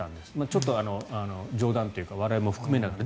ちょっと、冗談というか笑いも含めながら。